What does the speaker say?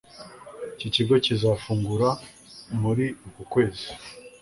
Iki kigo kizafungura muri uku kwezi